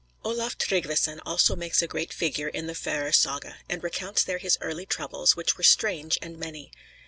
[TN]] Olaf Tryggveson also makes a great figure in the Faröer Saga, and recounts there his early troubles, which were strange and many.